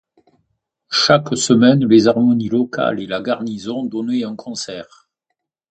Chaque semaine, les harmonies locales et la garnison donnaient un concert.